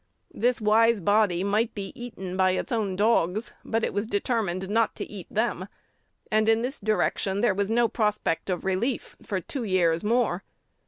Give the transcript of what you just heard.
This wise body might be eaten by its own dogs, but it was determined not to eat them; and in this direction there was no prospect of relief for two years more.